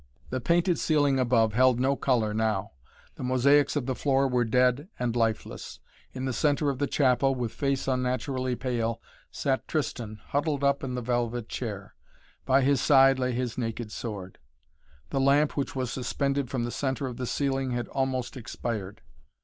The painted ceiling above held no color now. The mosaics of the floor were dead and lifeless. In the centre of the chapel, with face unnaturally pale, sat Tristan, huddled up in the velvet chair. By his side lay his naked sword. The lamp which was suspended from the centre of the ceiling had almost expired.